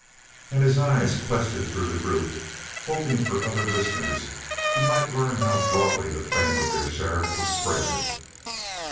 And his eye quested through the group, hoping for other listeners who might learn how broadly the fame of their sheriff was spread.